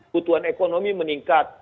ketuan ekonomi meningkat